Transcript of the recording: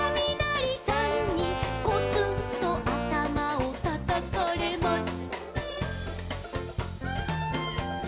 「コツンとあたまをたたかれます」